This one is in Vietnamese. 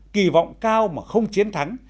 kỳ vọng cao mà không chiến thắng